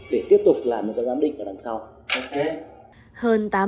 để tiếp tục là một cái giám định ở đằng sau